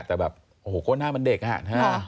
แต่แบบโอ้โหหน้ามันเด็กอะ